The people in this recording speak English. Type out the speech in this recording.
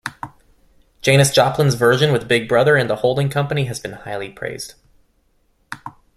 Janis Joplin's version with Big Brother and the Holding Company has been highly praised.